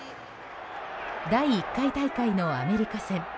第１回大会のアメリカ戦。